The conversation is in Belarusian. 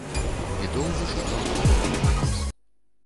І доўга шукаў таго, хто данёс.